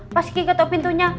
pas gigi ketok pintunya